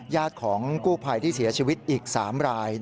ญาติของกู้ไพที่เสียชีวิตอีก๓ราย